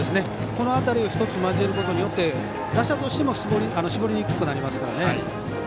この辺りを１つ交えることにより打者としても絞りにくくなりますからね。